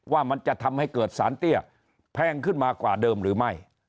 ว่ามันจะทำให้เกิดสารเตี้ยแพงขึ้นมากว่าเดิมหรือไม่